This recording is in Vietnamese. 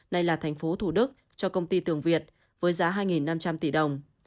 nay là thành phố thủ đức cho công ty tường việt với giá hai năm trăm linh tỷ đồng